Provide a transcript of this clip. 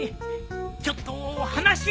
ちょっと話が。